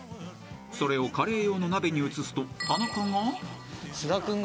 ［それをカレー用の鍋に移すと田中が］